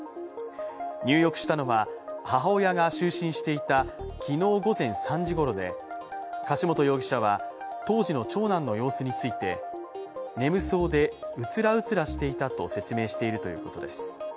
入浴したのは、母親が就寝していた昨日午前３時ごろで、柏本容疑者は、当時の長男の様子について、眠そうで、うつらうつらしていたと説明しているということです。